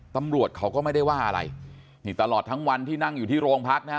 ตำรวจเขาก็ไม่ได้ว่าอะไรนี่ตลอดทั้งวันที่นั่งอยู่ที่โรงพักนะฮะ